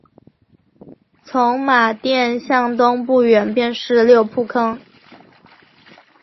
从马甸向东不远便是六铺炕。